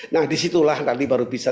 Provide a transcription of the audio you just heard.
nah disitulah baru bisa